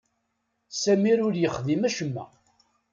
Sami ur yexdim acemma.